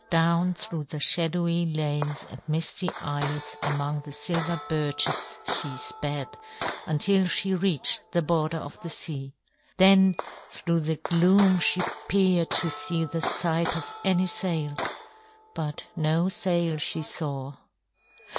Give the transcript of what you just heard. Down through the shadowy lanes and misty isles among the silver birches she sped, until she reached the border of the sea. Then through the gloom she peered to see the sight of any sail; but no sail she saw.